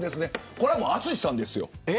これは淳さんですよ。